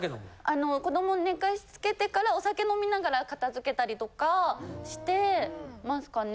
あの子ども寝かしつけてからお酒飲みながら片づけたりとかしてますかね。